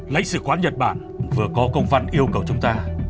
lãnh sự quán nhật bản vừa có công văn yêu cầu chúng ta